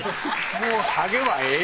もうハゲはええ